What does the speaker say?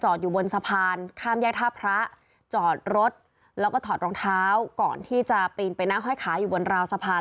อยู่บนสะพานข้ามแยกท่าพระจอดรถแล้วก็ถอดรองเท้าก่อนที่จะปีนไปนั่งห้อยขาอยู่บนราวสะพาน